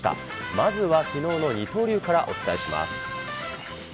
まずはきのうの二刀流からお伝えします。